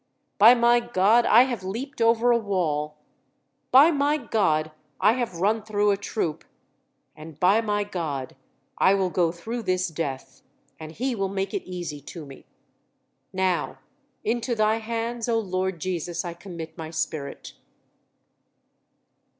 By my God I have leaped over a wall, by my God I have run through a troop, and by my God I will go through this death, and He will make it easy to me. Now, into thy hands, O Lord Jesus, I commit my spirit."